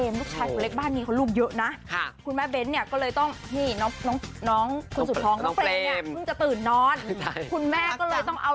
ไม่ว่าจะเป็นน้องปรีมน้องปรางและน้องเฟรม